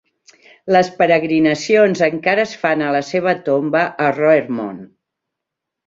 Les peregrinacions encara es fan a la seva tomba a Roermond.